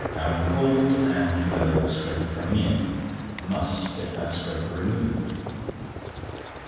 Gowing called, and fell over scraper coming in. Must get that scraper removed.